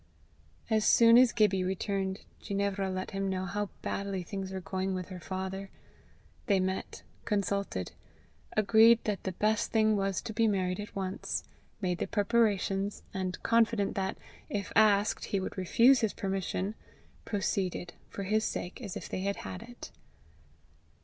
As soon as Gibbie returned, Ginevra let him know how badly things were going with her father. They met, consulted, agreed that the best thing was to be married at once, made their preparations, and confident that, if asked, he would refuse his permission, proceeded, for his sake, as if they had had it.